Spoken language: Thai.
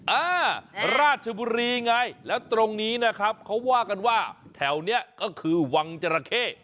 ราชบุรีไงแล้วตรงนี้นะครับเขาว่ากันว่าแถวนี้ก็คือวังจราเข้